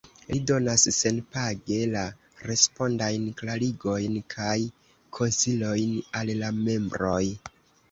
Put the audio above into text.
Li donas senpage la respondajn klarigojn kaj konsilojn al la membroj.